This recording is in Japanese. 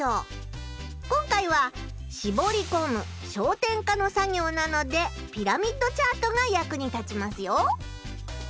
今回はしぼりこむ「焦点化」の作業なのでピラミッドチャートが役に立ちますよ。